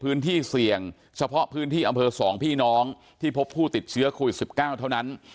พื้นที่เสี่ยงเฉพาะพื้นที่อำเภอ๒พี่น้องที่พบผู้ติดเชื้อโควิด๑๙เท่านั้น